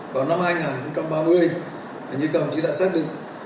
vào năm hai nghìn ba mươi hình như cầm chỉ đã xác định